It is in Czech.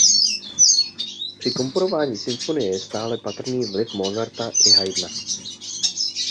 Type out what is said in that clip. Při komponování symfonie je stále patrný vliv Mozarta i Haydna.